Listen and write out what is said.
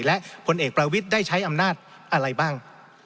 และผลเอกประวิทย์ได้ใช้อำนาจอะไรบ้าง